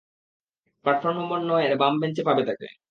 Platform number নয়-এর বাম বেঞ্চে পাবে তাকে।